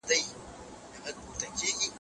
ولي زیارکښ کس د پوه سړي په پرتله موخي ترلاسه کوي؟